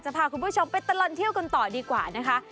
พาคุณผู้ชมไปตลอดเที่ยวกันต่อดีกว่านะคะ